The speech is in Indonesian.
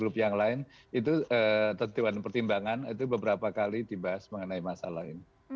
yang lain itu tentuan pertimbangan itu beberapa kali dibahas mengenai masalah ini